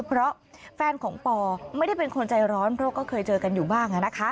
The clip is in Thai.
เพราะแฟนของปอไม่ได้เป็นคนใจร้อนเพราะก็เคยเจอกันอยู่บ้าง